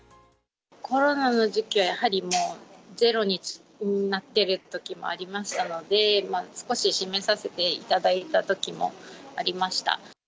コロナの時期はやはりもう、ゼロになってるときもありましたので、少し閉めさせていただいたときもありました。